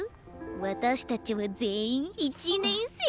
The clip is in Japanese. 私たちは全員１年生。